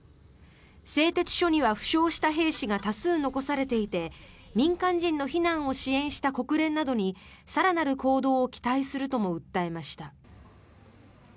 製鉄所には負傷した兵士が多数残されていて民間人の避難を支援した国連などに更なる行動を期待するとも訴えました。